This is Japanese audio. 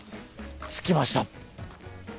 着きました。